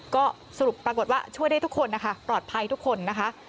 ก็สรุปปรากฏว่าช่วยได้ทุกคนนะคะปลอดภัยทุกคนนะคะ